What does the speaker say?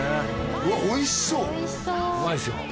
うわっおいしそううまいですよ